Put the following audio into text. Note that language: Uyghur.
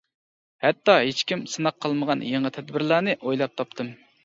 ھەتتا ھېچكىم سىناق قىلمىغان يېڭى تەدبىرلەرنى ئويلاپ تاپتىم.